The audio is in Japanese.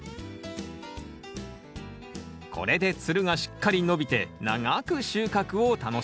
これでつるがしっかり伸びて長く収穫を楽しめます